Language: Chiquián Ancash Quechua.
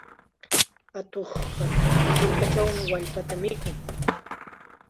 Atuqqa hirkachaw wallpatam mikun.